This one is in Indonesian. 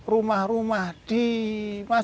rumah rumah yang dibangun di jawa tenggara barat